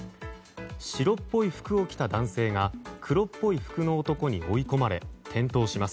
白っぽい服を着た男性が黒っぽい服の男に追い込まれ転倒します。